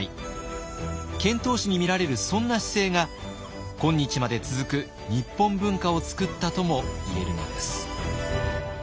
遣唐使に見られるそんな姿勢が今日まで続く日本文化を作ったとも言えるのです。